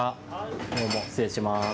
どうも失礼します。